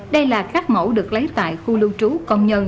đây là các mẫu được lấy tại khu lưu trú công nhân